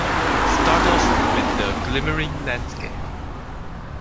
Start off with the glimmering landscape.